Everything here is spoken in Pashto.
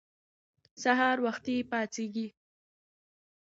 سهار وختي پاڅیږئ.